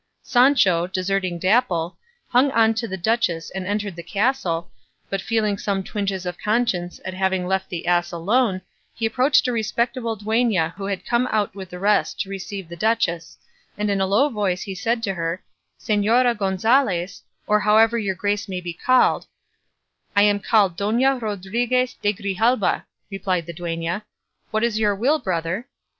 Sancho, deserting Dapple, hung on to the duchess and entered the castle, but feeling some twinges of conscience at having left the ass alone, he approached a respectable duenna who had come out with the rest to receive the duchess, and in a low voice he said to her, "Señora Gonzalez, or however your grace may be called—" "I am called Dona Rodriguez de Grijalba," replied the duenna; "what is your will, brother?"